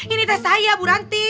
ini deh saya bu ranti